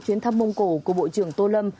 chuyến thăm mông cổ của bộ trưởng tô lâm